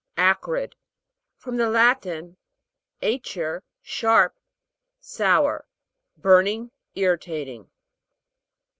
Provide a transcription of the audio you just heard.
A'CRID. From the Latin, acer, sharp, sour. Burning, irritating.